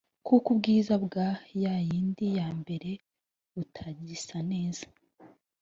kuko ubwiza bwa ya yindi ya mbere butagisa neza